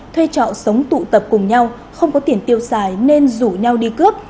thuê trọ sống tụ tập cùng nhau không có tiền tiêu xài nên rủ nhau đi cướp